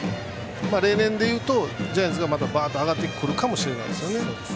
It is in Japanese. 例年でいうと、ジャイアンツがまたバーッと上がっていくかもしれないですよね。